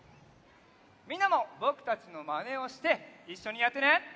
みんなもぼくたちのまねをしていっしょにやってね！